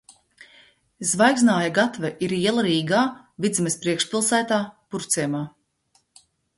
Zvaigznāja gatve ir iela Rīgā, Vidzemes priekšpilsētā, Purvciemā.